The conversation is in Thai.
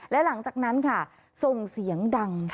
และหลังจากนั้นค่ะส่งเสียงดัง